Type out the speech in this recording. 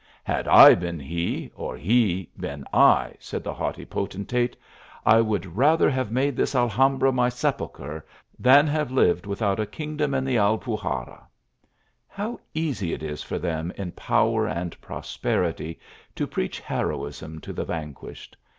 "Had I been he, or he been I," said ihe haughty potentate, " I would rather have made this Alhambra my sepulchre, than have lived without a kingdom in the Alpuxarras." How easy it is for them in power and prosperity to preach heroism to the vanquished